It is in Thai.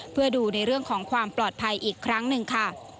เพื่อดูในเรื่องของความปลอดภัยอีกครั้งหนึ่งค่ะ